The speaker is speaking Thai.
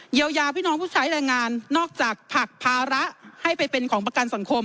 ยาพี่น้องผู้ใช้แรงงานนอกจากผลักภาระให้ไปเป็นของประกันสังคม